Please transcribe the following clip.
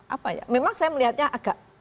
apa ya memang saya melihatnya agak